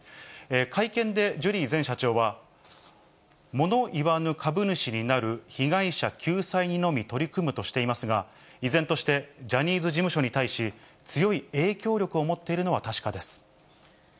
会見でジュリー前社長は、物言わぬ株主になる、被害者救済にのみ取り組むとしていますが、依然としてジャニーズ事務所に対し、強い影響力を持っているのは確かです。